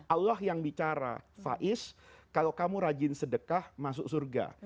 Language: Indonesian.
allah yang bicara faiz kalau kamu rajin sedekah masuk surga